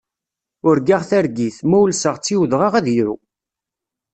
Urgaɣ targit, ma ulseɣ-tt i udɣaɣ ad iru.